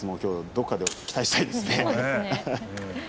どこかで期待したいですね。